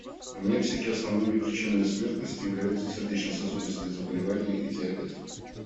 В Мексике основными причинами смертности являются сердечно-сосудистые заболевания и диабет.